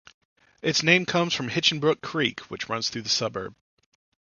Its name comes from Hinchinbrook Creek which runs through the suburb.